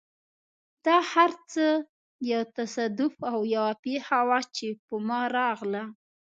دا هر څه یو تصادف او یوه پېښه وه، چې په ما راغله.